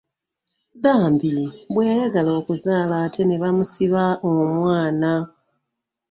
Bambi bwe yayagala okuzaala ate ne bamusiba omwana.